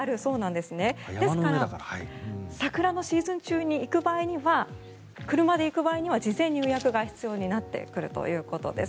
ですから桜のシーズン中に行く場合車で行く場合には事前に予約が必要になってくるということです。